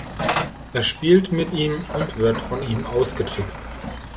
Er spielt mit ihm und wird von ihm ausgetrickst.